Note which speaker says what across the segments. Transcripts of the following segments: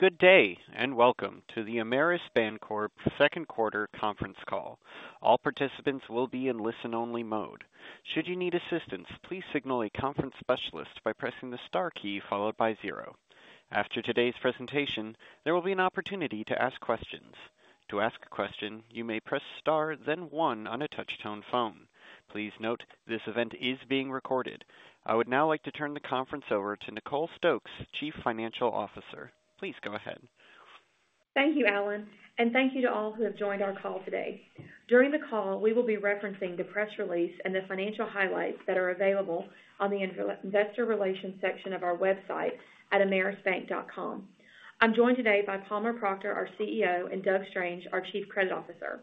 Speaker 1: Good day, and welcome to the Ameris Bancorp Second Quarter Conference Call. All participants will be in listen-only mode. Should you need assistance, please signal a conference specialist by pressing the star key followed by zero. After today's presentation, there will be an opportunity to ask questions. To ask a question, you may press Star, then one on a touch-tone phone. Please note, this event is being recorded. I would now like to turn the conference over to Nicole Stokes, Chief Financial Officer. Please go ahead.
Speaker 2: Thank you, Alan, and thank you to all who have joined our call today. During the call, we will be referencing the press release and the financial highlights that are available on the Investor Relations section of our website at amerisbank.com. I'm joined today by Palmer Proctor, our CEO, and Doug Strange, our Chief Credit Officer.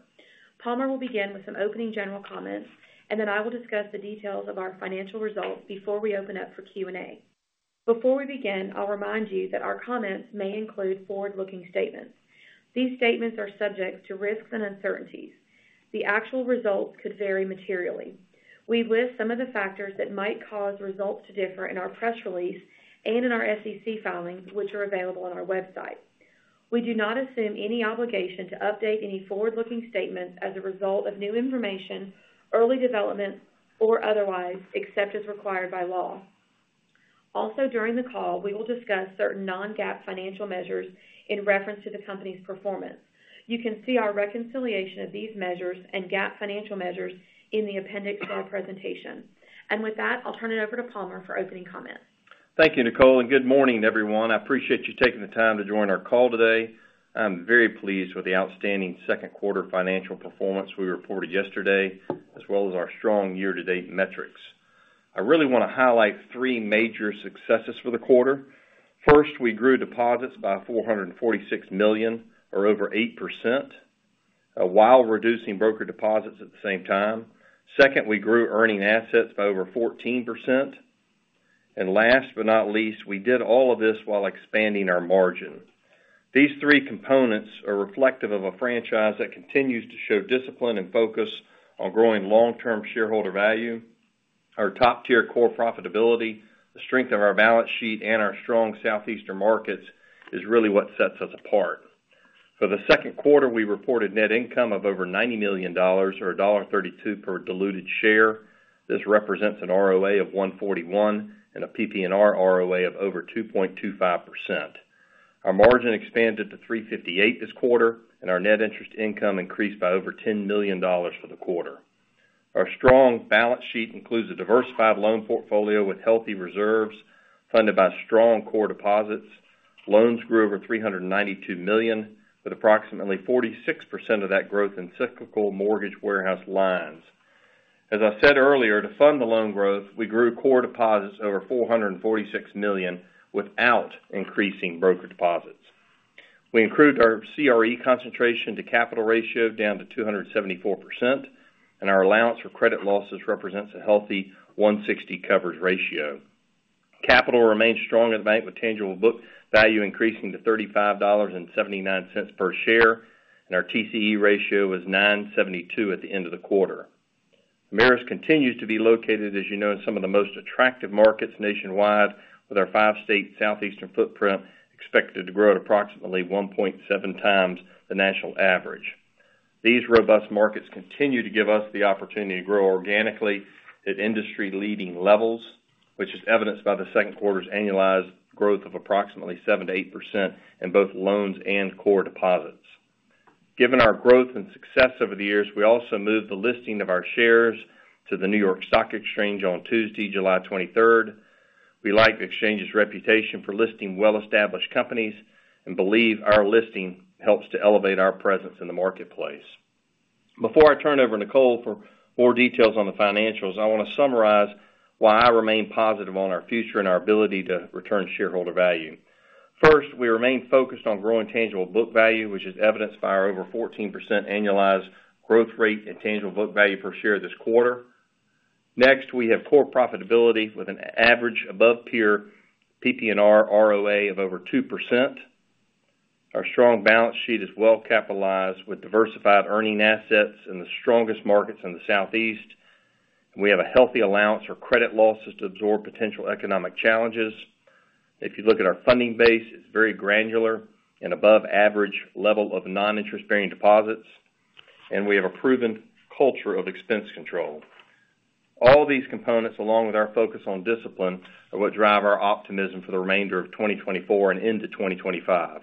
Speaker 2: Palmer will begin with some opening general comments, and then I will discuss the details of our financial results before we open up for Q&A. Before we begin, I'll remind you that our comments may include forward-looking statements. These statements are subject to risks and uncertainties. The actual results could vary materially. We list some of the factors that might cause results to differ in our press release and in our SEC filings, which are available on our website. We do not assume any obligation to update any forward-looking statements as a result of new information, early developments, or otherwise, except as required by law. Also, during the call, we will discuss certain non-GAAP financial measures in reference to the company's performance. You can see our reconciliation of these measures and GAAP financial measures in the appendix of our presentation. And with that, I'll turn it over to Palmer for opening comments.
Speaker 3: Thank you, Nicole, and good morning, everyone. I appreciate you taking the time to join our call today. I'm very pleased with the outstanding second quarter financial performance we reported yesterday, as well as our strong year-to-date metrics. I really want to highlight three major successes for the quarter. First, we grew deposits by $446 million, or over 8%, while reducing brokered deposits at the same time. Second, we grew earning assets by over 14%. And last but not least, we did all of this while expanding our margin. These three components are reflective of a franchise that continues to show discipline and focus on growing long-term shareholder value. Our top-tier core profitability, the strength of our balance sheet, and our strong Southeastern markets is really what sets us apart. For the second quarter, we reported net income of over $90 million or $1.32 per diluted share. This represents an ROA of 1.41 and a PPNR ROA of over 2.25%. Our margin expanded to 3.58 this quarter, and our net interest income increased by over $10 million for the quarter. Our strong balance sheet includes a diversified loan portfolio with healthy reserves, funded by strong core deposits. Loans grew over $392 million, with approximately 46% of that growth in cyclical mortgage warehouse lines. As I said earlier, to fund the loan growth, we grew core deposits over $446 million without increasing broker deposits. We improved our CRE concentration to capital ratio down to 274%, and our allowance for credit losses represents a healthy 1.60 coverage ratio. Capital remains strong in the bank, with tangible book value increasing to $35.79 per share, and our TCE ratio was 9.72 at the end of the quarter. Ameris continues to be located, as you know, in some of the most attractive markets nationwide, with our five-state Southeastern footprint expected to grow at approximately 1.7x the national average. These robust markets continue to give us the opportunity to grow organically at industry-leading levels, which is evidenced by the second quarter's annualized growth of approximately 7%-8% in both loans and core deposits. Given our growth and success over the years, we also moved the listing of our shares to the New York Stock Exchange on Tuesday, July 23rd. We like the exchange's reputation for listing well-established companies and believe our listing helps to elevate our presence in the marketplace. Before I turn over to Nicole for more details on the financials, I want to summarize why I remain positive on our future and our ability to return shareholder value. First, we remain focused on growing tangible book value, which is evidenced by our over 14% annualized growth rate in tangible book value per share this quarter. Next, we have core profitability with an average above peer PPNR ROA of over 2%. Our strong balance sheet is well-capitalized with diversified earning assets in the strongest markets in the Southeast, and we have a healthy allowance for credit losses to absorb potential economic challenges. If you look at our funding base, it's very granular and above average level of non-interest-bearing deposits, and we have a proven culture of expense control. All these components, along with our focus on discipline, are what drive our optimism for the remainder of 2024 and into 2025.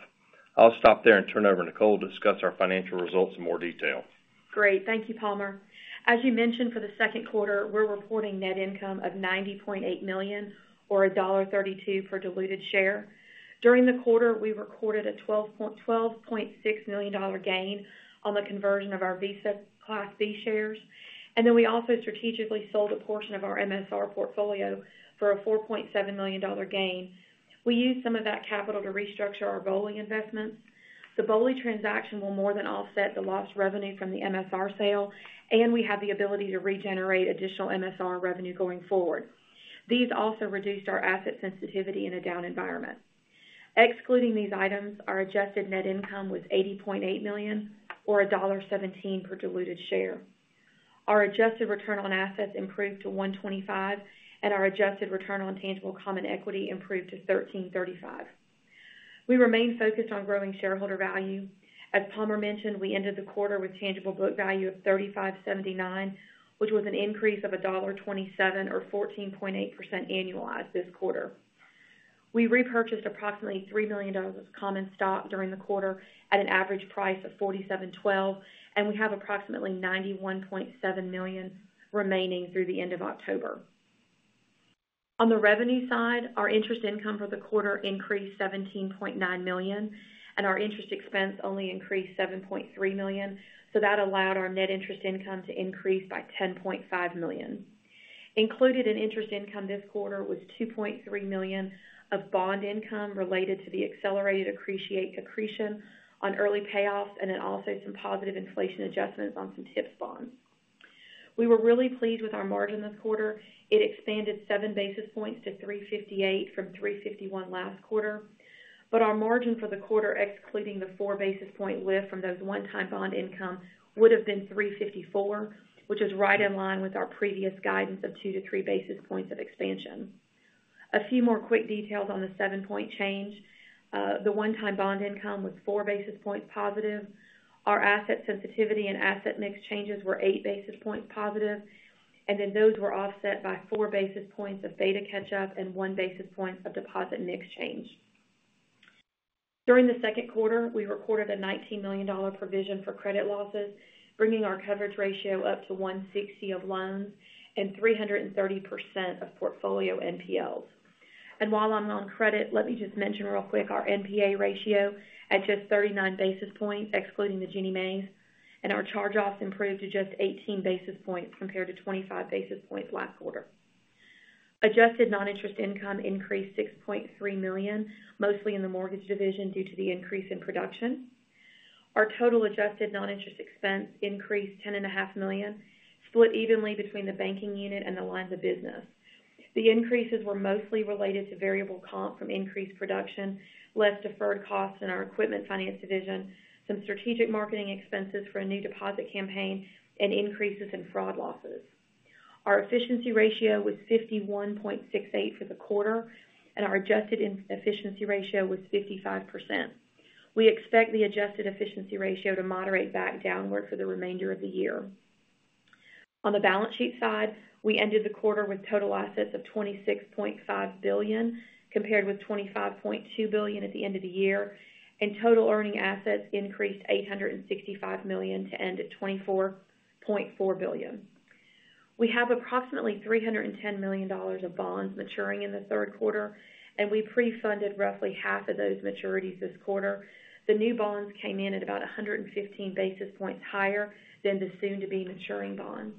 Speaker 3: I'll stop there and turn it over to Nicole to discuss our financial results in more detail.
Speaker 2: Great. Thank you, Palmer. As you mentioned, for the second quarter, we're reporting net income of $90.8 million or $1.32 per diluted share. During the quarter, we recorded a $12.6 million gain on the conversion of our Visa Class B shares, and then we also strategically sold a portion of our MSR portfolio for a $4.7 million gain. We used some of that capital to restructure our BOLI investments. The BOLI transaction will more than offset the lost revenue from the MSR sale, and we have the ability to regenerate additional MSR revenue going forward. These also reduced our asset sensitivity in a down environment. Excluding these items, our adjusted net income was $80.8 million or $1.17 per diluted share. Our adjusted return on assets improved to 1.25%, and our adjusted return on tangible common equity improved to 13.35%. We remain focused on growing shareholder value. As Palmer mentioned, we ended the quarter with tangible book value of $35.79, which was an increase of $1.27 or 14.8% annualized this quarter. We repurchased approximately $3 million of common stock during the quarter at an average price of $47.12, and we have approximately $91.7 million remaining through the end of October. On the revenue side, our interest income for the quarter increased $17.9 million, and our interest expense only increased $7.3 million, so that allowed our net interest income to increase by $10.5 million. Included in interest income this quarter was $2.3 million of bond income related to the accelerated accretion on early payoffs and then also some positive inflation adjustments on some TIPS bonds. We were really pleased with our margin this quarter. It expanded 7 basis points to 3.58% from 3.51% last quarter. But our margin for the quarter, excluding the 4 basis point lift from those one-time bond income, would have been 3.54%, which is right in line with our previous guidance of 2-3 basis points of expansion. A few more quick details on the 7-point change. The one-time bond income was 4 basis points positive. Our asset sensitivity and asset mix changes were 8 basis points positive, and then those were offset by 4 basis points of beta catch-up and 1 basis point of deposit mix change. During the second quarter, we recorded a $19 million provision for credit losses, bringing our coverage ratio up to 1.60 of loans and 330% of portfolio NPLs. While I'm on credit, let me just mention real quick our NPA ratio at just 39 basis points, excluding the Ginnie Maes, and our charge-offs improved to just 18 basis points compared to 25 basis points last quarter. Adjusted non-interest income increased $6.3 million, mostly in the mortgage division, due to the increase in production. Our total adjusted non-interest expense increased $10.5 million, split evenly between the banking unit and the lines of business. The increases were mostly related to variable comp from increased production, less deferred costs in our equipment finance division, some strategic marketing expenses for a new deposit campaign, and increases in fraud losses. Our efficiency ratio was 51.68 for the quarter, and our adjusted efficiency ratio was 55%. We expect the adjusted efficiency ratio to moderate back downward for the remainder of the year. On the balance sheet side, we ended the quarter with total assets of $26.5 billion, compared with $25.2 billion at the end of the year, and total earning assets increased $865 million to end at $24.4 billion. We have approximately $310 million of bonds maturing in the third quarter, and we pre-funded roughly half of those maturities this quarter. The new bonds came in at about 115 basis points higher than the soon-to-be maturing bonds.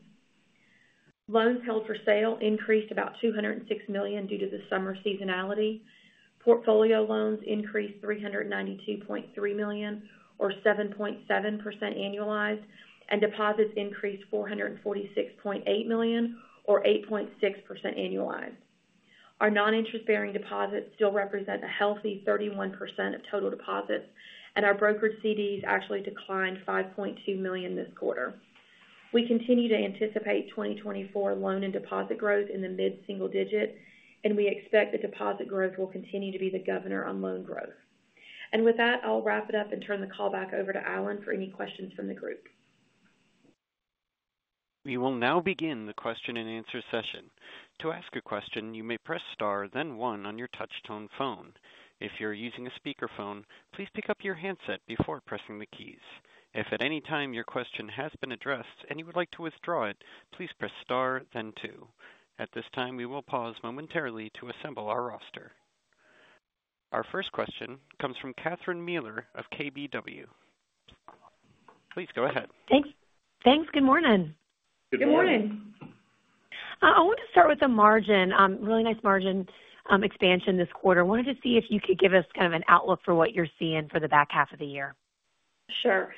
Speaker 2: Loans held for sale increased about $206 million due to the summer seasonality. Portfolio loans increased $392.3 million or 7.7% annualized, and deposits increased $446.8 million or 8.6% annualized. Our non-interest-bearing deposits still represent a healthy 31% of total deposits, and our brokered CDs actually declined $5.2 million this quarter. We continue to anticipate 2024 loan and deposit growth in the mid-single digit, and we expect the deposit growth will continue to be the governor on loan growth. With that, I'll wrap it up and turn the call back over to Alan for any questions from the group.
Speaker 1: We will now begin the question-and-answer session. To ask a question, you may press Star, then one on your touchtone phone. If you're using a speakerphone, please pick up your handset before pressing the keys. If at any time your question has been addressed and you would like to withdraw it, please press star, then two. At this time, we will pause momentarily to assemble our roster. Our first question comes from Catherine Mealor of KBW. Please go ahead.
Speaker 4: Thanks. Thanks. Good morning.
Speaker 2: Good morning.
Speaker 4: I want to start with the margin. Really nice margin expansion this quarter. Wanted to see if you could give us kind of an outlook for what you're seeing for the back half of the year.
Speaker 2: Sure.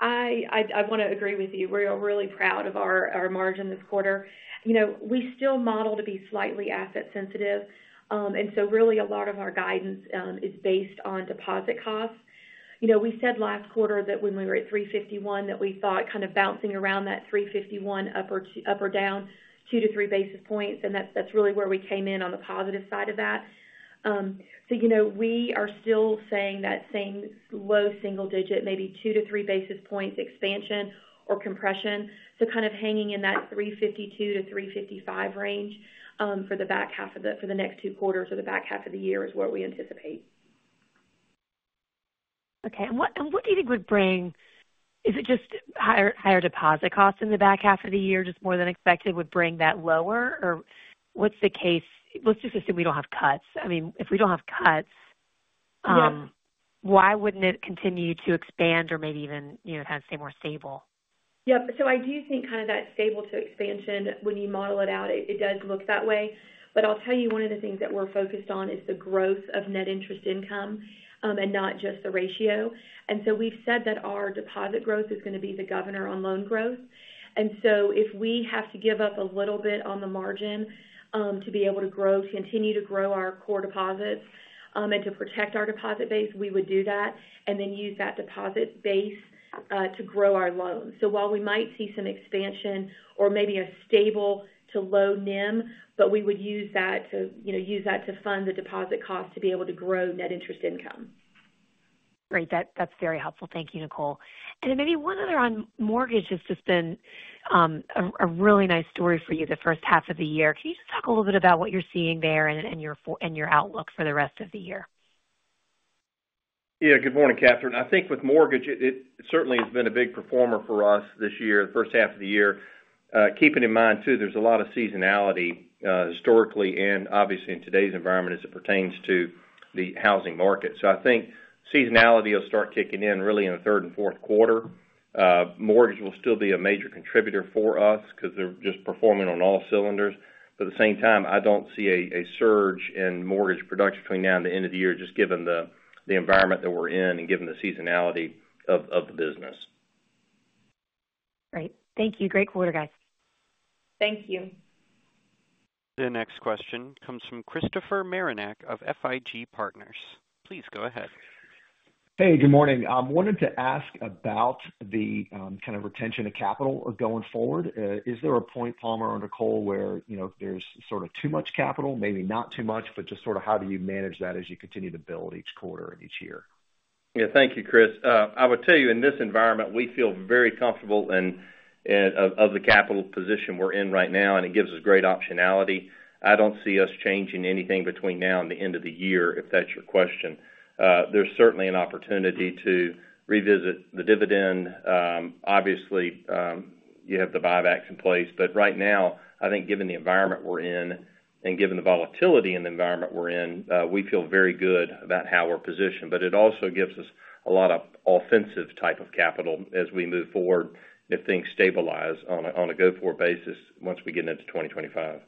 Speaker 2: I want to agree with you. We are really proud of our margin this quarter. You know, we still model to be slightly asset sensitive, and so really a lot of our guidance is based on deposit costs. You know, we said last quarter that when we were at 3.51, that we thought kind of bouncing around that 3.51, up or down 2-3 basis points, and that's really where we came in on the positive side of that. So you know, we are still saying that same low single digit, maybe 2-3 basis points expansion or compression. So kind of hanging in that 3.52-3.55 range, for the next two quarters or the back half of the year is what we anticipate.
Speaker 4: Okay, and what, and what do you think would bring. Is it just higher, higher deposit costs in the back half of the year, just more than expected, would bring that lower? Or what's the case? Let's just assume we don't have cuts. I mean, if we don't have cuts.
Speaker 2: Yeah.
Speaker 4: Why wouldn't it continue to expand or maybe even, you know, kind of stay more stable?
Speaker 2: Yep. So I do think kind of that stable to expansion, when you model it out, it does look that way. But I'll tell you one of the things that we're focused on is the growth of net interest income, and not just the ratio. And so we've said that our deposit growth is going to be the governor on loan growth. And so if we have to give up a little bit on the margin, to be able to grow, continue to grow our core deposits, and to protect our deposit base, we would do that and then use that deposit base to grow our loans. So while we might see some expansion or maybe a stable to low NIM, but we would use that to, you know, use that to fund the deposit cost to be able to grow net interest income.
Speaker 4: Great, that's very helpful. Thank you, Nicole. And maybe one other on mortgages has just been a really nice story for you the first half of the year. Can you just talk a little bit about what you're seeing there and your forward outlook for the rest of the year?
Speaker 3: Yeah, good morning, Catherine. I think with mortgage, it certainly has been a big performer for us this year, the first half of the year. Keeping in mind, too, there's a lot of seasonality, historically, and obviously in today's environment as it pertains to the housing market. So I think seasonality will start kicking in really in the third and fourth quarter. Mortgage will still be a major contributor for us because they're just performing on all cylinders. But at the same time, I don't see a surge in mortgage production between now and the end of the year, just given the environment that we're in and given the seasonality of the business.
Speaker 4: Great. Thank you. Great quarter, guys.
Speaker 2: Thank you.
Speaker 1: The next question comes from Christopher Marinac of FIG Partners. Please go ahead.
Speaker 5: Hey, good morning. I wanted to ask about the kind of retention of capital or going forward. Is there a point, Palmer or Nicole, where, you know, there's sort of too much capital, maybe not too much, but just sort of how do you manage that as you continue to build each quarter and each year?
Speaker 3: Yeah. Thank you, Chris. I would tell you, in this environment, we feel very comfortable in the capital position we're in right now, and it gives us great optionality. I don't see us changing anything between now and the end of the year, if that's your question. There's certainly an opportunity to revisit the dividend. Obviously, you have the buyback in place, but right now, I think given the environment we're in and given the volatility in the environment we're in, we feel very good about how we're positioned. But it also gives us a lot of offensive type of capital as we move forward, if things stabilize on a go-forward basis once we get into 2025.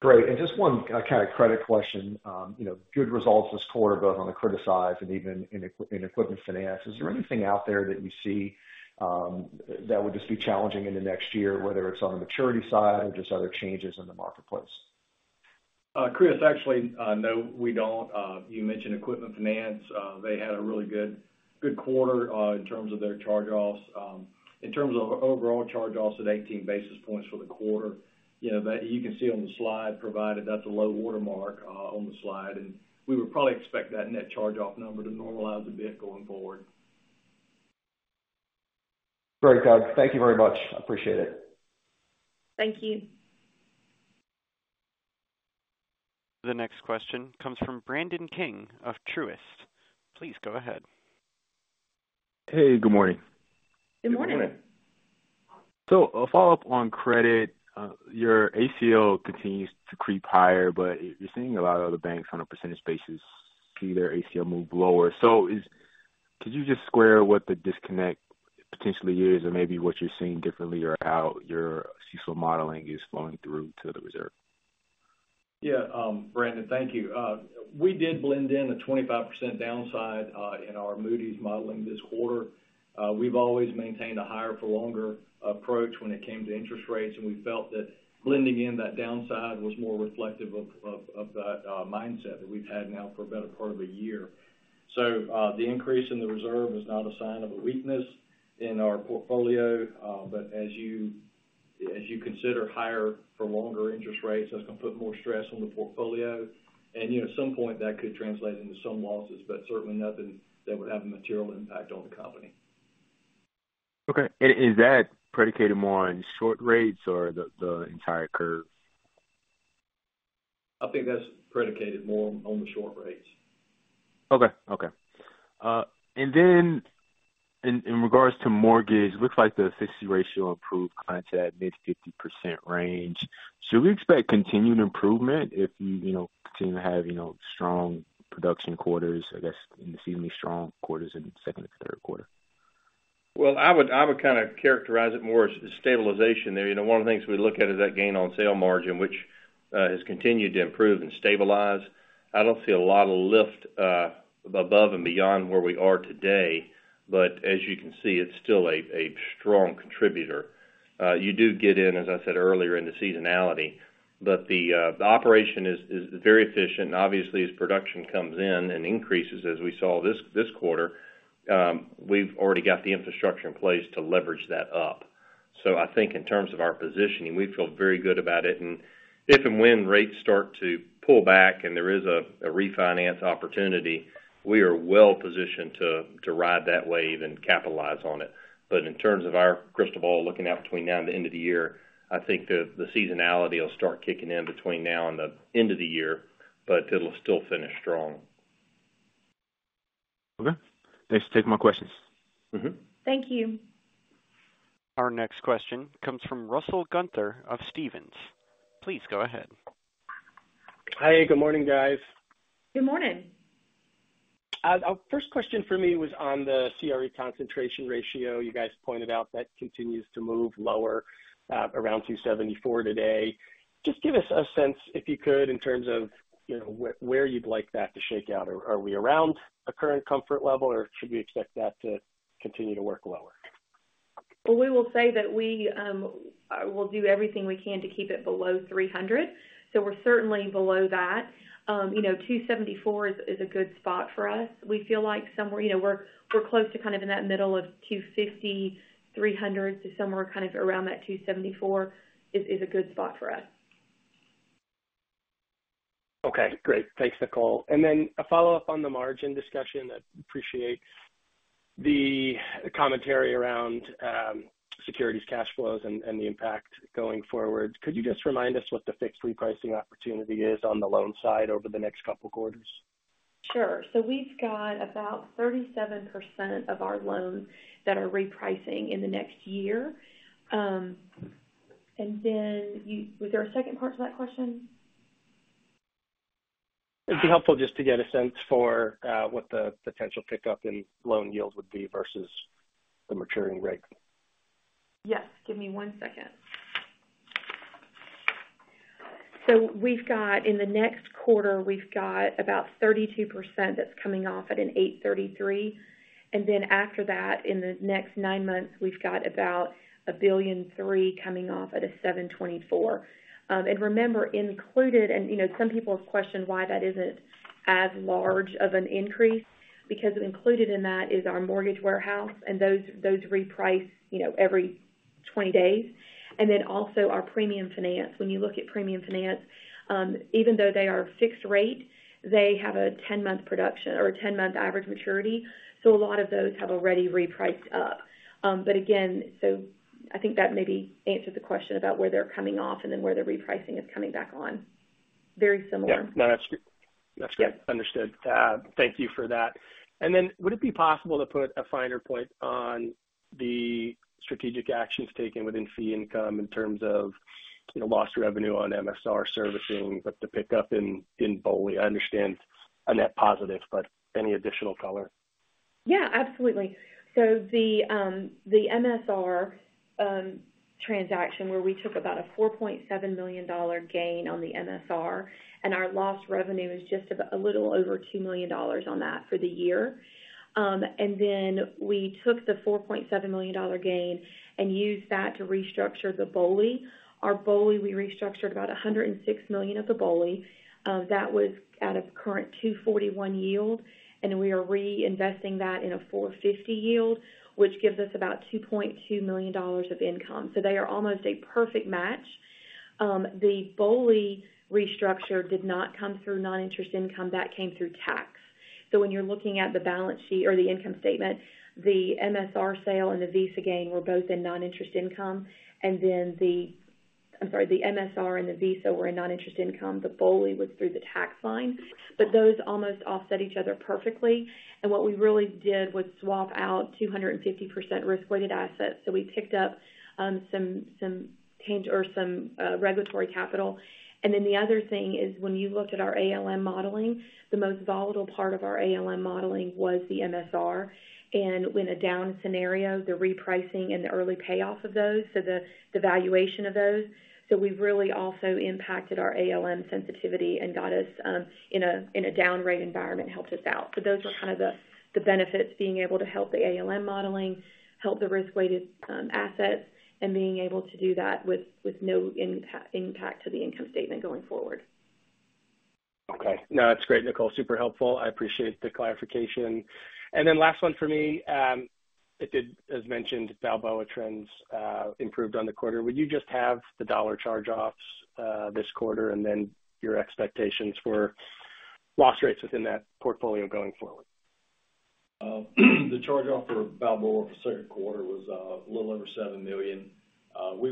Speaker 5: Great. And just one kind of credit question. You know, good results this quarter, both on the credit side and even in equipment finance. Is there anything out there that you see that would just be challenging in the next year, whether it's on the maturity side or just other changes in the marketplace?
Speaker 3: Chris, actually, no, we don't. You mentioned equipment finance. They had a really good, good quarter, in terms of their charge-offs. In terms of overall charge-offs at 18 basis points for the quarter, you know, that you can see on the slide provided, that's a low watermark, on the slide, and we would probably expect that net charge-off number to normalize a bit going forward.
Speaker 5: Great, guys. Thank you very much. I appreciate it.
Speaker 2: Thank you.
Speaker 1: The next question comes from Brandon King of Truist. Please go ahead.
Speaker 6: Hey, good morning.
Speaker 2: Good morning.
Speaker 3: Good morning.
Speaker 6: A follow-up on credit. Your ACL continues to creep higher, but you're seeing a lot of other banks on a percentage basis see their ACL move lower. So could you just square what the disconnect potentially is or maybe what you're seeing differently or how your CECL modeling is flowing through to the reserve?
Speaker 3: Yeah, Brandon, thank you. We did blend in a 25% downside in our Moody's modeling this quarter. We've always maintained a higher for longer approach when it came to interest rates, and we felt that blending in that downside was more reflective of that mindset that we've had now for a better part of a year. So, the increase in the reserve is not a sign of a weakness in our portfolio, but as you consider higher for longer interest rates, that's going to put more stress on the portfolio. And, you know, at some point, that could translate into some losses, but certainly nothing that would have a material impact on the company.
Speaker 6: Okay. And is that predicated more on short rates or the entire curve?
Speaker 3: I think that's predicated more on the short rates.
Speaker 6: Okay. Okay. And then in regards to mortgage, it looks like the efficiency ratio improved kind of at mid-50% range. Should we expect continued improvement if you, you know, continue to have, you know, strong production quarters, I guess, in the seasonally strong quarters in the second and third quarter?
Speaker 3: Well, I would, I would kind of characterize it more as stabilization there. You know, one of the things we look at is that gain on sale margin, which has continued to improve and stabilize. I don't see a lot of lift above and beyond where we are today, but as you can see, it's still a strong contributor. You do get in, as I said earlier, in the seasonality, but the operation is very efficient. Obviously, as production comes in and increases, as we saw this quarter, we've already got the infrastructure in place to leverage that up. So I think in terms of our positioning, we feel very good about it. And if and when rates start to pull back and there is a refinance opportunity, we are well-positioned to ride that wave and capitalize on it. But in terms of our crystal ball, looking out between now and the end of the year, I think the seasonality will start kicking in between now and the end of the year, but it'll still finish strong.
Speaker 6: Okay. Thanks for taking my questions.
Speaker 3: Mm-hmm.
Speaker 2: Thank you.
Speaker 1: Our next question comes from Russell Gunther of Stephens. Please go ahead.
Speaker 7: Hi, good morning, guys.
Speaker 2: Good morning.
Speaker 7: Our first question for me was on the CRE concentration ratio. You guys pointed out that continues to move lower, around 274 today. Just give us a sense, if you could, in terms of, you know, where you'd like that to shake out. Are we around a current comfort level, or should we expect that to continue to work lower?
Speaker 2: Well, we will say that we, we'll do everything we can to keep it below 300, so we're certainly below that. You know, 274 is a good spot for us. We feel like somewhere, you know, we're close to kind of in that middle of 250, 300 to somewhere kind of around that 274 is a good spot for us.
Speaker 7: Okay, great. Thanks, Nicole. And then a follow-up on the margin discussion. I appreciate the commentary around securities cash flows and the impact going forward. Could you just remind us what the fixed repricing opportunity is on the loan side over the next couple of quarters?
Speaker 2: Sure. So we've got about 37% of our loans that are repricing in the next year. And then you, was there a second part to that question?
Speaker 7: It'd be helpful just to get a sense for what the potential pickup in loan yields would be versus the maturing rate.
Speaker 2: Yes. Give me one second. So we've got in the next quarter, we've got about 32% that's coming off at an 8.33%, and then after that, in the next nine months, we've got about $1.3 billion coming off at a 7.24%. And remember, included, and, you know, some people have questioned why that isn't as large of an increase, because included in that is our mortgage warehouse, and those reprice, you know, every 20 days, and then also our premium finance. When you look at premium finance, even though they are fixed rate, they have a 10-month production or a 10-month average maturity, so a lot of those have already repriced up. But again, so I think that maybe answers the question about where they're coming off and then where the repricing is coming back on. Very similar.
Speaker 7: Yeah, no, that's good. That's good. Understood. Thank you for that. And then would it be possible to put a finer point on the strategic actions taken within fee income in terms of, you know, lost revenue on MSR servicing, but the pickup in, in BOLI? I understand a net positive, but any additional color?
Speaker 2: Yeah, absolutely. So the MSR transaction, where we took about a $4.7 million gain on the MSR, and our lost revenue is just a little over $2 million on that for the year. And then we took the $4.7 million gain and used that to restructure the BOLI. Our BOLI, we restructured about $106 million of the BOLI. That was at a current 2.41 yield, and we are reinvesting that in a 4.50 yield, which gives us about $2.2 million of income. So they are almost a perfect match. The BOLI restructure did not come through non-interest income, that came through tax. So when you're looking at the balance sheet or the income statement, the MSR sale and the Visa gain were both in non-interest income, and then the... I'm sorry, the MSR and the Visa were in non-interest income. The BOLI was through the tax line, but those almost offset each other perfectly. And what we really did was swap out 250% risk-weighted assets. So we picked up some change or some regulatory capital. And then the other thing is, when you looked at our ALM modeling, the most volatile part of our ALM modeling was the MSR and when a down scenario, the repricing and the early payoff of those, so the valuation of those. So we've really also impacted our ALM sensitivity and got us in a down rate environment, helped us out. So those were kind of the benefits, being able to help the ALM modeling, help the risk-weighted assets, and being able to do that with no impact to the income statement going forward.
Speaker 7: Okay. No, that's great, Nicole. Super helpful. I appreciate the clarification. And then last one for me. It did, as mentioned, Balboa's trends improved in the quarter. Would you just have the dollar charge-offs this quarter and then your expectations for loss rates within that portfolio going forward?
Speaker 8: The charge-off for Balboa for the second quarter was a little over $7+ million. We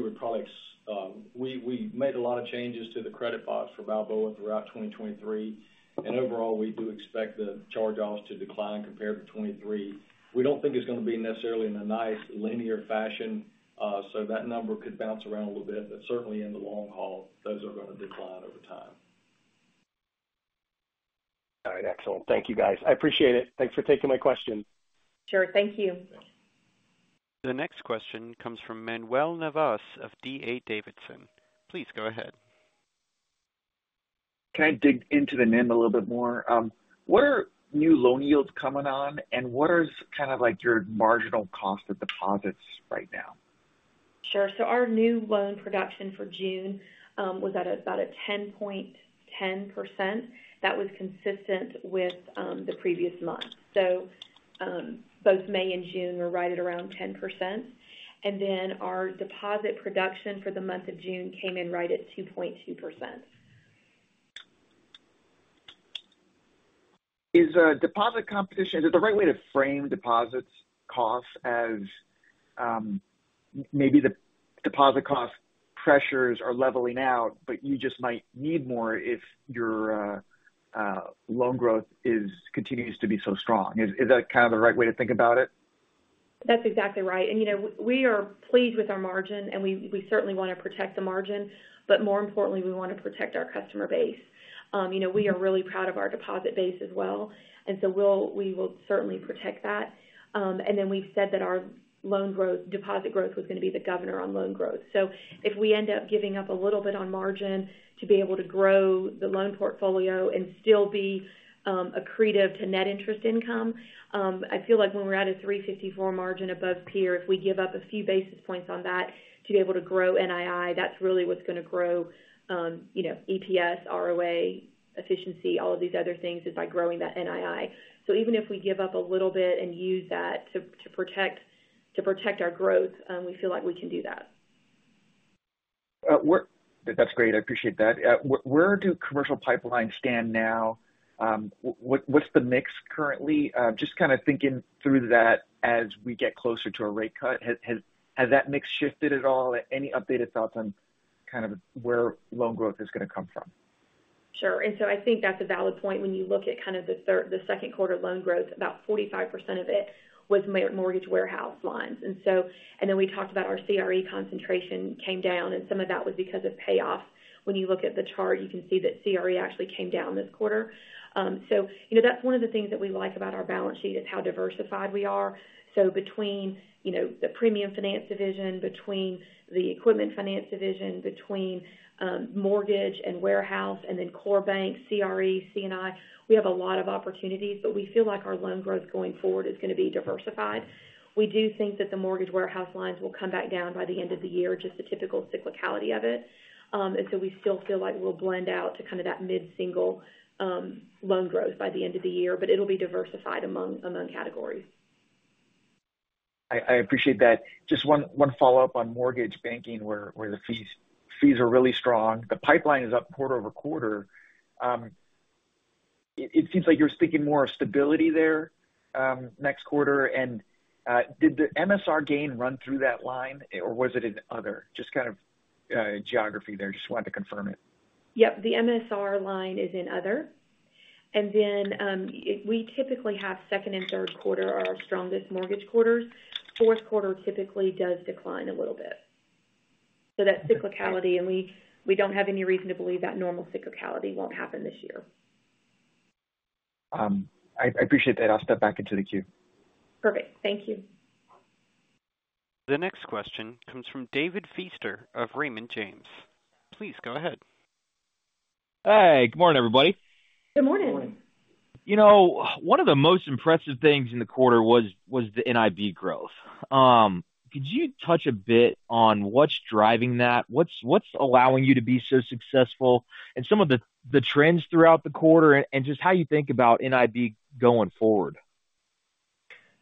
Speaker 8: made a lot of changes to the credit box for Balboa throughout 2023, and overall, we do expect the charge-offs to decline compared to 2023. We don't think it's going to be necessarily in a nice linear fashion, so that number could bounce around a little bit, but certainly in the long haul, those are going to decline over time.
Speaker 7: All right. Excellent. Thank you, guys. I appreciate it. Thanks for taking my question.
Speaker 2: Sure. Thank you.
Speaker 1: The next question comes from Manuel Navas of D.A. Davidson. Please go ahead.
Speaker 9: Can I dig into the NIM a little bit more? What are new loan yields coming on, and what is kind of like your marginal cost of deposits right now?
Speaker 2: Sure. So our new loan production for June was at about 10.10%. That was consistent with the previous month. So both May and June were right at around 10%. And then our deposit production for the month of June came in right at 2.2%.
Speaker 9: Is deposit competition the right way to frame deposit costs as maybe the deposit cost pressures are leveling out, but you just might need more if your loan growth continues to be so strong? Is that kind of the right way to think about it?
Speaker 2: That's exactly right. You know, we are pleased with our margin, and we certainly want to protect the margin, but more importantly, we want to protect our customer base. You know, we are really proud of our deposit base as well, and so we will certainly protect that. And then we've said that our loan growth, deposit growth was going to be the governor on loan growth. So if we end up giving up a little bit on margin to be able to grow the loan portfolio and still be accretive to net interest income, I feel like when we're at a 3.54 margin above peer, if we give up a few basis points on that to be able to grow NII, that's really what's going to grow, you know, EPS, ROA, efficiency, all of these other things, is by growing that NII. So even if we give up a little bit and use that to protect our growth, and we feel like we can do that.
Speaker 9: That's great, I appreciate that. Where do commercial pipelines stand now? What's the mix currently? Just kind of thinking through that as we get closer to a rate cut, has that mix shifted at all? Any updated thoughts on kind of where loan growth is gonna come from?
Speaker 2: Sure. And so I think that's a valid point when you look at kind of the third-- the second quarter loan growth, about 45% of it was mortgage warehouse lines. And so... And then we talked about our CRE concentration came down, and some of that was because of payoffs. When you look at the chart, you can see that CRE actually came down this quarter. So, you know, that's one of the things that we like about our balance sheet, is how diversified we are. So between, you know, the premium finance division, between the equipment finance division, between mortgage and warehouse, and then core bank, CRE, C&I, we have a lot of opportunities, but we feel like our loan growth going forward is gonna be diversified. We do think that the mortgage warehouse lines will come back down by the end of the year, just the typical cyclicality of it. And so we still feel like we'll blend out to kind of that mid-single loan growth by the end of the year, but it'll be diversified among categories.
Speaker 9: I appreciate that. Just one follow-up on mortgage banking, where the fees are really strong. The pipeline is up quarter-over-quarter. It seems like you're speaking more of stability there, next quarter. And did the MSR gain run through that line, or was it in other? Just kind of geography there, just wanted to confirm it.
Speaker 2: Yep, the MSR line is in other. And then, we typically have second and third quarter are our strongest mortgage quarters. Fourth quarter typically does decline a little bit. So that's cyclicality, and we, we don't have any reason to believe that normal cyclicality won't happen this year.
Speaker 9: I appreciate that. I'll step back into the queue.
Speaker 2: Perfect. Thank you.
Speaker 1: The next question comes from David Feaster of Raymond James. Please go ahead.
Speaker 10: Hey, good morning, everybody.
Speaker 2: Good morning.
Speaker 10: You know, one of the most impressive things in the quarter was the NIB growth. Could you touch a bit on what's driving that? What's allowing you to be so successful? And some of the trends throughout the quarter, and just how you think about NIB going forward.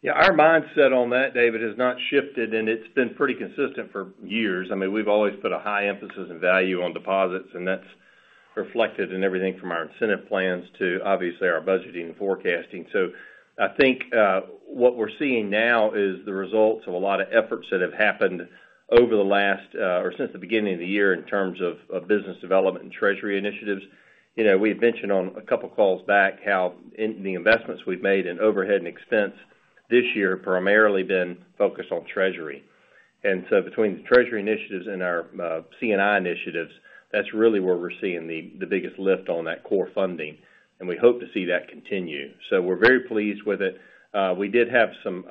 Speaker 3: Yeah, our mindset on that, David, has not shifted, and it's been pretty consistent for years. I mean, we've always put a high emphasis and value on deposits, and that's reflected in everything from our incentive plans to, obviously, our budgeting and forecasting. So I think, what we're seeing now is the results of a lot of efforts that have happened over the last, or since the beginning of the year, in terms of, of business development and treasury initiatives. You know, we had mentioned on a couple calls back how the investments we've made in overhead and expense this year, primarily been focused on treasury. And so between the treasury initiatives and our, C&I initiatives, that's really where we're seeing the biggest lift on that core funding, and we hope to see that continue. So we're very pleased with it. We did have some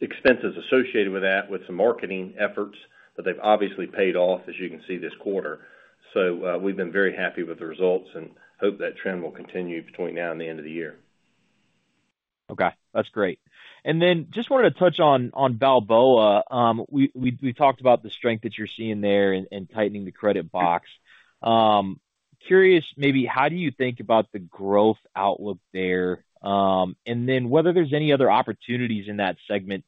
Speaker 3: expenses associated with that, with some marketing efforts, but they've obviously paid off, as you can see this quarter. So, we've been very happy with the results and hope that trend will continue between now and the end of the year.
Speaker 10: Okay, that's great. And then just wanted to touch on Balboa. We talked about the strength that you're seeing there in tightening the credit box. Curious, maybe, how do you think about the growth outlook there? And then whether there's any other opportunities in that segment,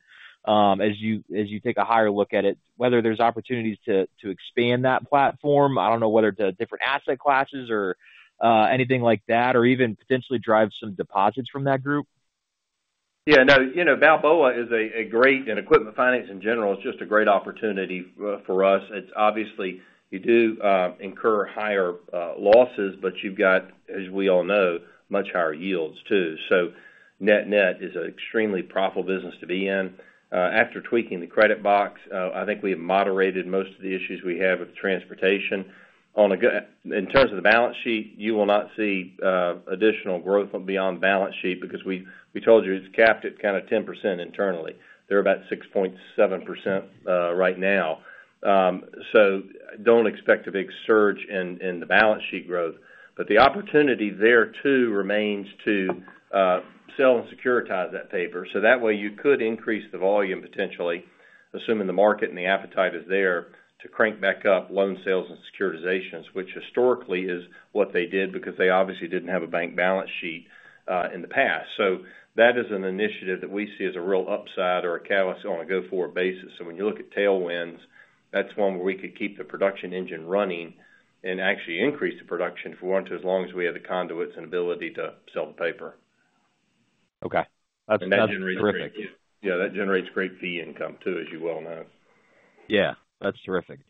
Speaker 10: as you take a higher look at it, whether there's opportunities to expand that platform. I don't know, whether it's different asset classes or anything like that, or even potentially drive some deposits from that group?
Speaker 3: Yeah, no, you know, Balboa is a, a great... and equipment finance, in general, is just a great opportunity for us. It's obviously, you do, incur higher, losses, but you've got, as we all know, much higher yields, too. So net-net is an extremely profitable business to be in. After tweaking the credit box, I think we have moderated most of the issues we have with transportation. On a in terms of the balance sheet, you will not see, additional growth beyond balance sheet, because we, we told you it's capped at kind of 10% internally. They're about 6.7%, right now. So don't expect a big surge in the balance sheet growth. But the opportunity there, too, remains to sell and securitize that paper, so that way you could increase the volume, potentially, assuming the market and the appetite is there to crank back up loan sales and securitizations, which historically is what they did, because they obviously didn't have a bank balance sheet in the past. So that is an initiative that we see as a real upside or a catalyst on a go-forward basis. So when you look at tailwinds, that's one where we could keep the production engine running and actually increase the production, if we want to, as long as we have the conduits and ability to sell the paper.
Speaker 10: Okay. That's, that's terrific.
Speaker 3: Yeah, that generates great fee income, too, as you well know.
Speaker 10: Yeah, that's terrific.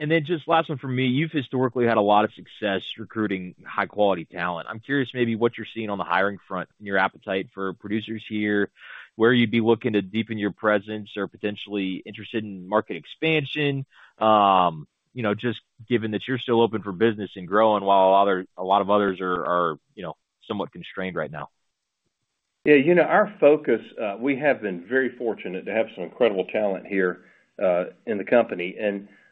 Speaker 10: And then just last one from me. You've historically had a lot of success recruiting high-quality talent. I'm curious maybe what you're seeing on the hiring front and your appetite for producers here, where you'd be looking to deepen your presence or potentially interested in market expansion, you know, just given that you're still open for business and growing while others, a lot of others are, you know, somewhat constrained right now.
Speaker 3: Yeah, you know, our focus, we have been very fortunate to have some incredible talent here in the company.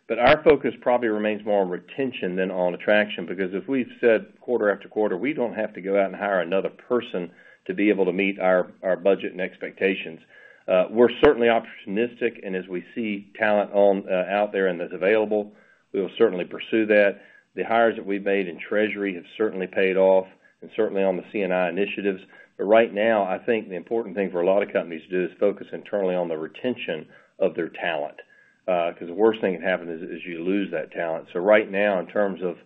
Speaker 3: But our focus probably remains more on retention than on attraction, because as we've said quarter after quarter, we don't have to go out and hire another person to be able to meet our budget and expectations. We're certainly opportunistic, and as we see talent out there that's available, we will certainly pursue that. The hires that we've made in treasury have certainly paid off, and certainly on the C&I initiatives. But right now, I think the important thing for a lot of companies to do is focus internally on the retention of their talent, because the worst thing that happened is you lose that talent. So right now, in terms of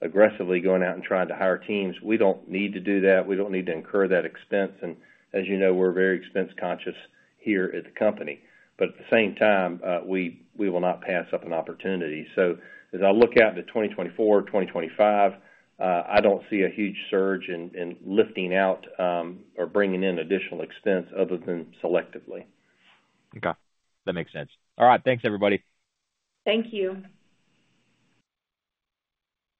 Speaker 3: aggressively going out and trying to hire teams, we don't need to do that. We don't need to incur that expense, and as you know, we're very expense conscious here at the company, but at the same time, we will not pass up an opportunity. So as I look out to 2024, 2025, I don't see a huge surge in lifting out, or bringing in additional expense other than selectively.
Speaker 10: Okay, that makes sense. All right. Thanks, everybody.
Speaker 2: Thank you.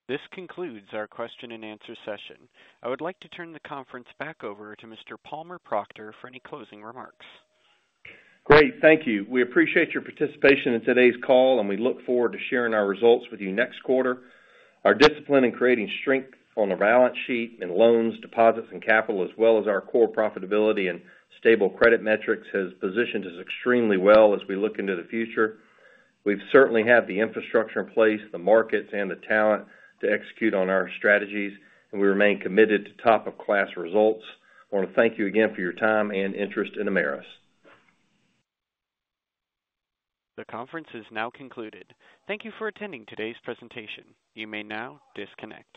Speaker 1: This concludes our question and answer session. I would like to turn the conference back over to Mr. Palmer Proctor for any closing remarks.
Speaker 3: Great, thank you. We appreciate your participation in today's call, and we look forward to sharing our results with you next quarter. Our discipline in creating strength on the balance sheet and loans, deposits, and capital, as well as our core profitability and stable credit metrics, has positioned us extremely well as we look into the future. We've certainly had the infrastructure in place, the markets and the talent to execute on our strategies, and we remain committed to top of class results. I want to thank you again for your time and interest in Ameris.
Speaker 1: The conference is now concluded. Thank you for attending today's presentation. You may now disconnect.